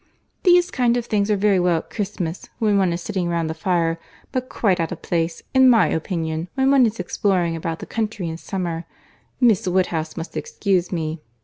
These kind of things are very well at Christmas, when one is sitting round the fire; but quite out of place, in my opinion, when one is exploring about the country in summer. Miss Woodhouse must excuse me.